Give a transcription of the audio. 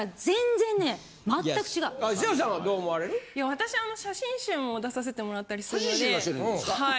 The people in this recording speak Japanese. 私写真集も出させてもらったりするのではい。